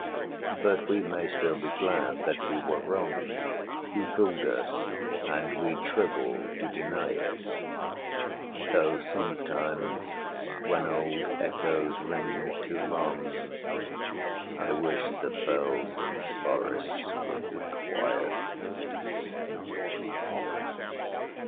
But we may still be glad that we were wrong: He fooled us, and we'd shrivel to deny it; Though sometimes when old echoes ring too long, I wish the bells in 'Boris' would be quiet.